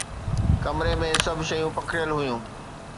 ڪمري ۾ سڀ شيون پکڙيل هيون